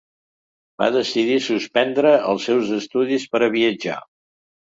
Va decidir suspendre els seus estudis per a viatjar.